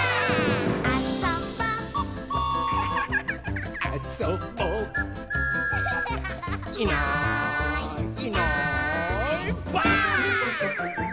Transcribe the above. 「あそぼ」「あそぼ」「いないいないばあっ！」